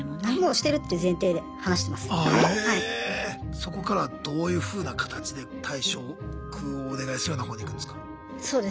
そこからはどういうふうな形で退職をお願いするようなほうにいくんですか？